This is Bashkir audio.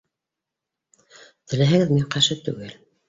Теләһәгеҙ, мин ҡаршы түгел